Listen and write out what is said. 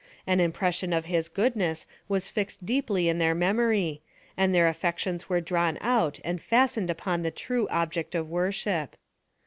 An impression of his goodness was fixed deeply in their memory, and tlieir affections were drawn out and fastened upon the true object of worship.